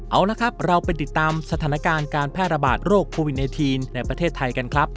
เอาละครับเราไปติดตามสถานการณ์การแพร่ระบาดโรคโควิด๑๙ในประเทศไทยกันครับ